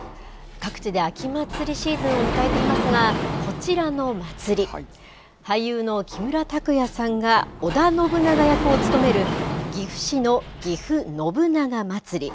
各地で秋祭りシーズンを迎えていますが、こちらの祭り、俳優の木村拓哉さんが織田信長役を務める岐阜市のぎふ信長まつり。